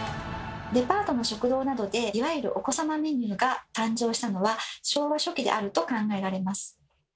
デパートの食堂などでいわゆるお子様メニューが誕生したのは昭和初期であると考えられます。